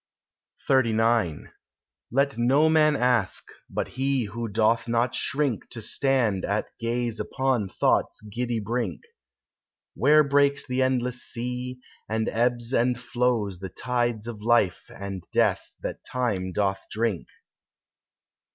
XXXIX "Let no man ask, but he who doth not shrink To stand at gaze upon thought's giddy brink, Where breaks the endless sea, and ebbs and flows The tides of life and death that Time doth drink.